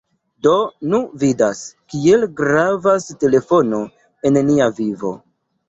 Do, ni vidas, kiel gravas telefono en nia vivo!